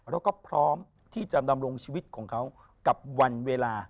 แล้วก็พร้อมที่จะดำรงชีวิตของเขากับวันเวลา